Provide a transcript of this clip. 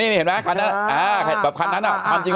นี่เห็นมั้ยคันนั้นแหละแบบคันนั้นอ่ะ